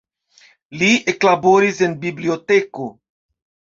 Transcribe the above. Li eklaboris en biblioteko.